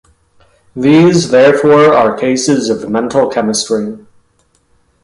These therefore are cases of mental chemistry.